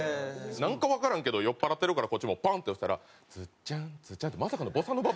なんかわからんけど酔っ払ってるからこっちもパン！って押したら「ズッチャンズチャ」ってまさかのボサノババージョン。